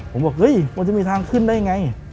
ผมบอกเฮ้ยมันจะมีทางขึ้นได้ไง